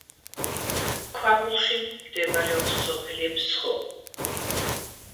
ქვაბულში მდებარეობს სოფელი ფსხუ.